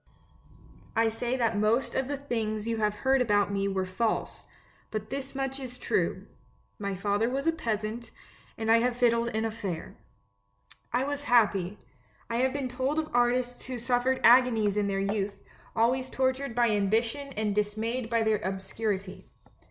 I say that most of the things you have heard about me were false, but this much is true — my father was a peasant, and I have fiddled in a fair. "I was happy. I have been told of artists who suffered agonies in their youth, always tortured by ambition and dismayed by their obscurity.